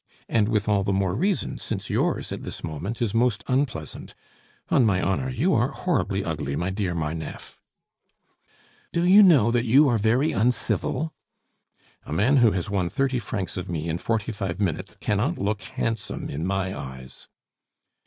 And with all the more reason since yours, at this moment, is most unpleasant. On my honor, you are horribly ugly, my dear Marneffe " "Do you know that you are very uncivil?" "A man who has won thirty francs of me in forty five minutes cannot look handsome in my eyes."